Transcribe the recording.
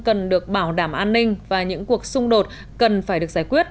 cần được bảo đảm an ninh và những cuộc xung đột cần phải được giải quyết